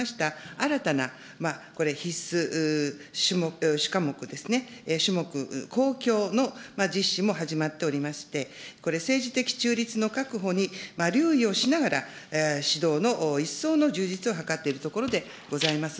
新たなこれ、必須主科目ですね、種目、公共の実施も始まっておりまして、これ、政治的中立の確保に留意しながら指導の一層の充実を図っていくところでございます。